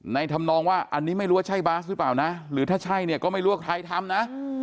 ทำนองว่าอันนี้ไม่รู้ว่าใช่บาสหรือเปล่านะหรือถ้าใช่เนี่ยก็ไม่รู้ว่าใครทำนะ